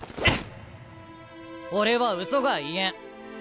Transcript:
俺はうそが言えん。